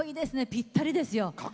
ぴったりですよ。